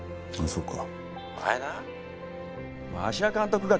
そっか。